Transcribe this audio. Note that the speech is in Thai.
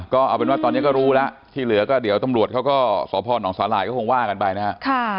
ก็เอาเป็นว่าตอนนี้ก็รู้แล้วที่เหลือก็เดี๋ยวตำรวจเขาก็สพนสาหร่ายก็คงว่ากันไปนะฮะ